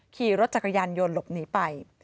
ขี่รถจักรยานยนต์หลบหนีไป